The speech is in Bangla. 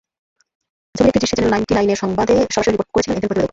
ছবির একটি দৃশ্যে চ্যানেল নাইন্টি নাইনের সংবাদে সরাসরি রিপোর্ট করছিলেন একজন প্রতিবেদক।